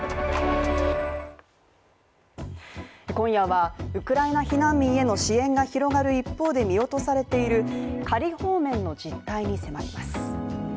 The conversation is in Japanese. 今夜はウクライナ避難民への支援が広がる一方で見落とされている仮放免の実態に迫ります。